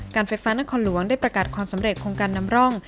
ไฟฟ้านครหลวงได้ประกาศความสำเร็จโครงการนำร่อง